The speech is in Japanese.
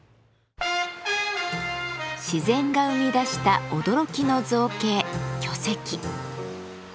自然が生み出した驚きの造形巨石。